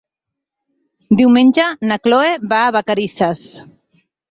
Diumenge na Chloé va a Vacarisses.